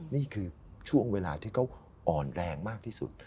นี่คือช่วงเวลาที่เขาอ่อนแรงมากที่สุด